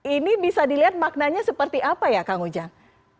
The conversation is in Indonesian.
ini bisa dilihat maknanya seperti apa ya kang ujang